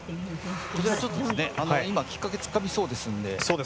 ちょっと今きっかけ、つかみそうですので。